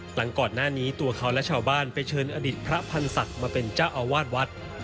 หลังก่อนหน้านี้ตัวเขาและชาวบ้านไปเชิญอดิษฐ์พระพันธ์ศักดิ์มาเป็นเจ้าอาวาสวัด